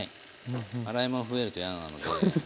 洗い物増えると嫌なので。